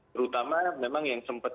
terutama memang yang sempat